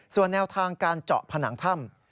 ส่วนแนวทางการเจาะผนังถ้ำ